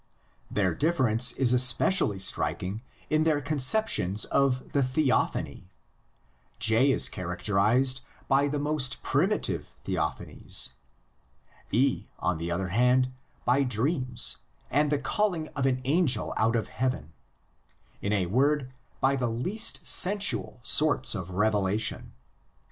Their difference is especially striking in their conceptions of the theophany: J is characterised by the most primitive theophanies, E, on the other hand* by dreams and the calling of an angel out of heaven, in a word by the least sensual sorts of revelation.